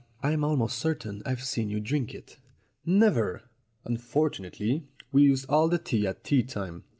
"I'm almost certain I've seen you drink it." "Never. Unfortunately, we used all the tea at tea time.